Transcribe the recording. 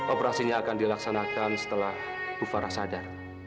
operasinya akan dilaksanakan setelah bu farah sadar